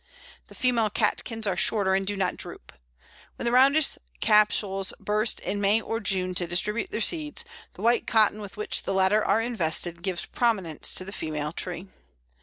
The female catkins are shorter and do not droop. When the roundish capsules burst in May or June to distribute their seeds, the white cotton with which the latter are invested gives prominence to the female tree.